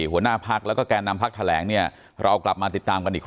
หัวหน้าพักแล้วก็แก่นำพักแถลงเนี่ยเรากลับมาติดตามกันอีก